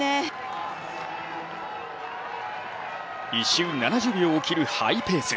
１周７０秒を切るハイペース。